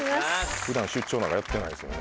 普段出張なんかやってないですもんね。